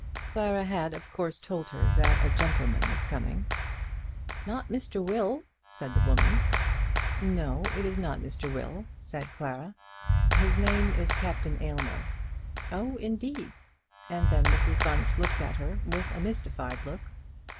Clara had of course told her that a gentleman was coming. "Not Mr. Will?" said the woman. "No; it is not Mr. Will," said Clara; "his name is Captain Aylmer." "Oh, indeed." And then Mrs. Bunce looked at her with a mystified look.